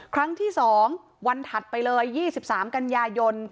ครั้งที่๒วันถัดไปเลย๒๓กันยายน